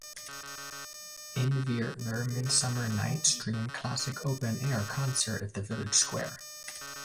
Innviertler Midsummer Nights Dream, Classic Open Air Concert at the village square.